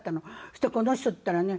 そしたらこの人ったらね